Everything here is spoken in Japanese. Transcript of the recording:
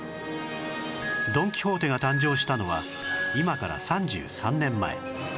ドン・キホーテが誕生したのは今から３３年前